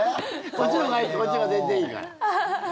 こっちのほうが全然いいから。